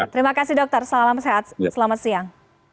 terima kasih dokter salam sehat selamat siang